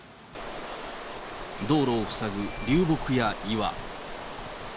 道路を塞ぐ流木や岩。